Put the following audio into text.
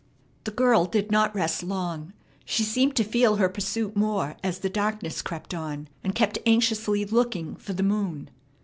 The girl did not rest long. She seemed to feel her pursuit more as the darkness crept on, and kept anxiously looking for the moon.